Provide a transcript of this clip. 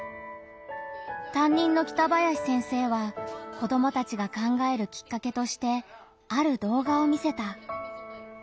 担任の北林先生は子どもたちが考えるきっかけとしてある動画を見せた。